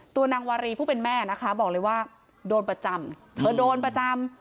นางวารีผู้เป็นแม่นะคะบอกเลยว่าโดนประจำเธอโดนประจำ